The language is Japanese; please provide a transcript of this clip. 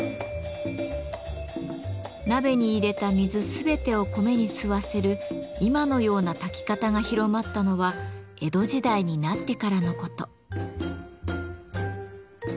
鍋に入れた水全てを米に吸わせる今のような炊き方が広まったのは江戸時代になってからのこと。